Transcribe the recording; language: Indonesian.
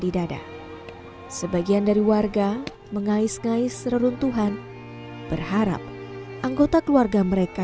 di dada sebagian dari warga mengais ngais reruntuhan berharap anggota keluarga mereka